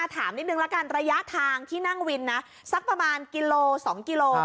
ถามนิดนึงละกันระยะทางที่นั่งวินนะสักประมาณกิโล๒กิโล